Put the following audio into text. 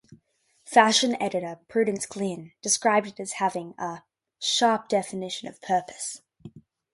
Fashion editor Prudence Glynn described it as having a: "sharp definition of purpose".